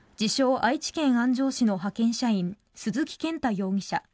・愛知県安城市の派遣社員鈴木健太容疑者